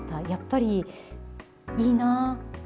やっぱりいいなぁ。